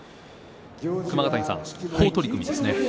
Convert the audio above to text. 熊ヶ谷さん、好取組ですね。